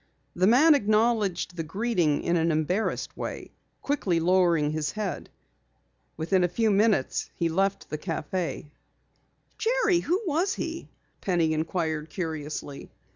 The man acknowledged the greeting in an embarrassed way, quickly lowering his head. Within a few minutes he left the café. "Jerry, who was he?" Penny inquired curiously.